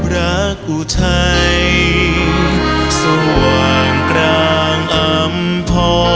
รักอุทัยสว่างกลางอำพอ